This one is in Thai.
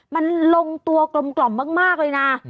มันลงตัวกลมมากเลยนะ